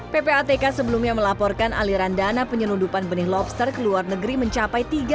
ppatk sebelumnya melaporkan aliran dana penyelundupan benih lobster ke luar negeri mencapai tiga